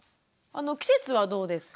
季節はどうですか？